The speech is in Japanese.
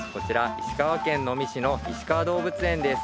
石川県能美市のいしかわ動物園です